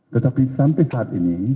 tetapi sampai saat ini